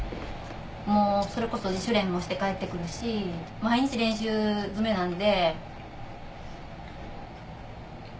もうそれこそ自主練もして帰って来るし毎日練習づめなんで。